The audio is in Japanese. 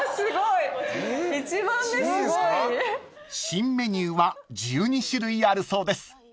［新メニューは１２種類あるそうです］